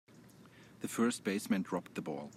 The first baseman dropped the ball.